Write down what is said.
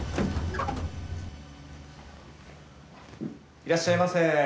いらっしゃいませ。